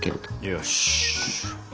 よし。